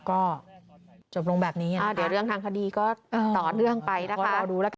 ก็จบลงแบบนี้เดี๋ยวเรื่องทางคดีก็ต่อเนื่องไปนะคะ